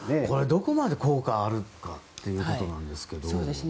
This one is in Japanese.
これ、どこまで効果があるかということなんですが。